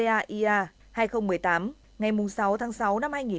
lại chỉ công bố vấn đề sản phẩm của doanh nghiệp